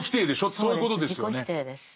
そういうことですよね。